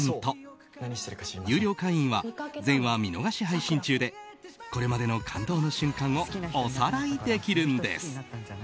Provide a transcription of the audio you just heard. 有料会員は全話見逃し配信中でこれまでの感動の瞬間をおさらいできるんです。